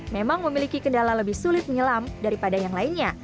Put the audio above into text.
memang memiliki kendala lebih sulit menyelam daripada yang lainnya